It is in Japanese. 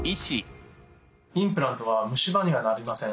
インプラントは虫歯にはなりません。